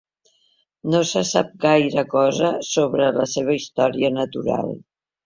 No se sap gaire cosa sobre la seva història natural.